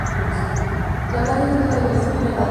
La planta es nativa de California y Nevada.